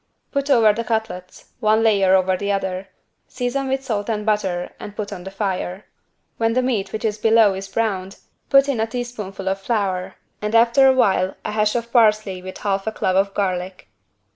Put over the cutlets, one layer over the other, season with salt and butter and put on the fire. When the meat which is below is browned put in a teaspoonful of flour and after a while a hash of parsley with half a clove of garlic.